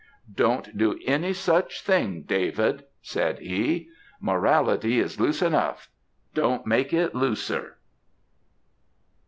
"'Don't do any such thing, David,' said he; 'morality is loose enough; don't make it looser.'"